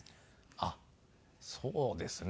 あっそうですね。